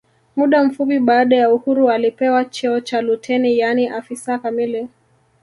Muda mfupi baada ya uhuru alipewa cheo cha luteni yaani afisa kamili